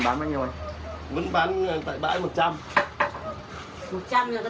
vẫn phục vụ cho bọn anh được thoải mái